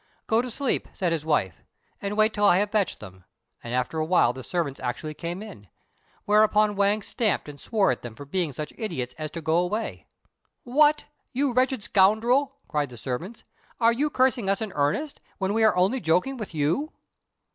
"Go to sleep," said his wife, "and wait till I have fetched them;" and after awhile the servants actually came in; whereupon Wang stamped and swore at them for being such idiots as to go away. "What! you wretched scoundrel," cried the servants, "are you cursing us in earnest, when we are only joking with you!"